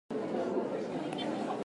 いらっしゃいませ、三点のお買い上げですね。